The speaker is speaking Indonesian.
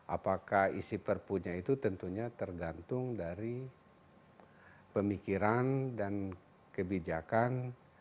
apakah isi perpunya itu tentunya tergantung dari pemikiran dan kebijakan